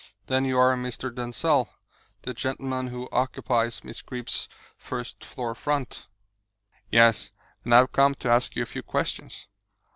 "Then you are Mr. Denzil, the gentleman who occupies Miss Greeb's first floor front." "Yes. And I have come to ask you a few questions."